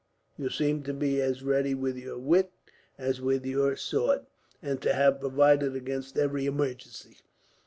"You seem to be as ready with your wits as with your sword, and to have provided against every emergency.